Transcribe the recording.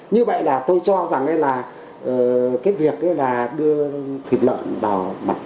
như vậy là tôi cho rằng cái việc đưa thịt lợn vào mặt